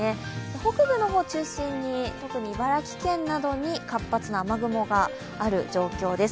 北部の方を中心に特に茨城県などに活発な雨雲がある状況です。